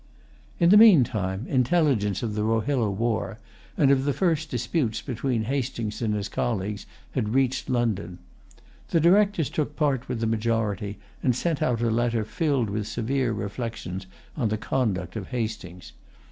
In the meantime, intelligence of the Rohilla war, and of the first disputes between Hastings and his colleagues, had reached London. The Directors took part with the majority, and sent out a letter filled with severe reflections on the conduct of Hastings.